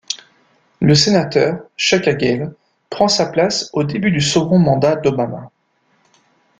Le sénateur Chuck Hagel prend sa place au début du second mandat d'Obama.